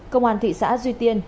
công an thị xã duy tiên hà nam